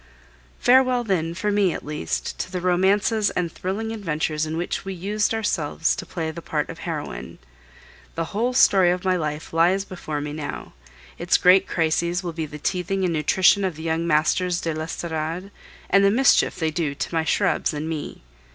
Farewell, then, for me at least, to the romances and thrilling adventures in which we used ourselves to play the part of heroine. The whole story of my life lies before me now; its great crises will be the teething and nutrition of the young Masters de l'Estorade, and the mischief they do to my shrubs and me.